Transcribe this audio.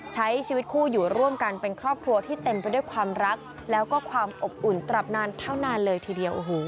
ใช้ชีวิตคู่อยู่ร่วมกันเป็นครอบครัวที่เต็มไปด้วยความรักแล้วก็ความอบอุ่นตับนานเท่านานเลยทีเดียว